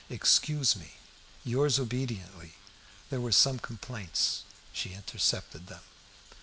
Excuse me. Yours obediently." There were some complaints; she intercepted them.